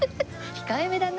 控えめだな。